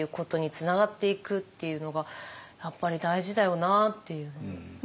つながっていくっていうのがやっぱり大事だよなっていう。